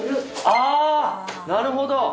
あなるほど。